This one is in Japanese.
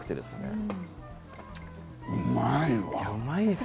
うまいわ。